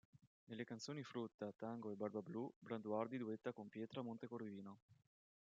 Nelle canzoni "Frutta", "Tango", e "Barbablù" Branduardi duetta con Pietra Montecorvino.